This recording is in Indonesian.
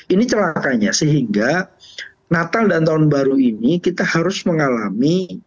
ini celakanya sehingga natal dan tahun baru ini kita harus mengalami